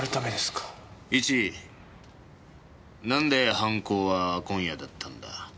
イチなんで犯行は今夜だったんだ？